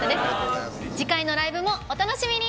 次回のライブもお楽しみに。